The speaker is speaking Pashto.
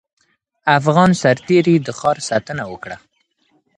افغان سرتېري د ښار ساتنه وکړه.